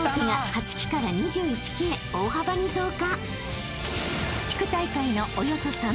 ［大幅に増加］